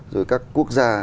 rồi các quốc gia